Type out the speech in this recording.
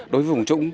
đối với vùng trung